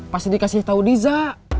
pasti dikasih tau diza